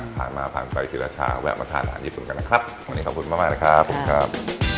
ผ่านมาผ่านไปศรีราชาแวะมาทานอาหารญี่ปุ่นกันนะครับ